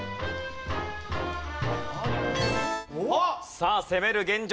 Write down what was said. さあ攻める現状